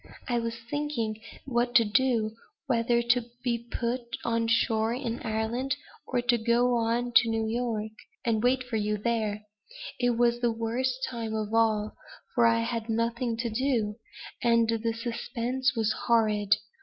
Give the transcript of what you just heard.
I was thinking what to do; whether to be put on shore in Ireland, or to go on to New York, and wait for you there; it was the worst time of all, for I had nothing to do; and the suspense was horrible.